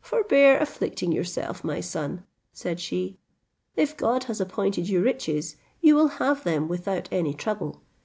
"Forbear afflicting yourself, my son," said she; "if God has appointed you riches, you will have them without any trouble.